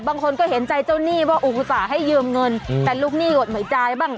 บางคนก็เห็นใจเจ้าหนี้ว่าอุตส่าห์ให้ยืมเงินแต่ลูกหนี้กฎหมายจ่ายบ้าง